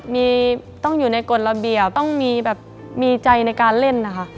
มีต้องอยู่ในกฎระเบียบต้องมีแบบมีใจในการเล่นนะคะ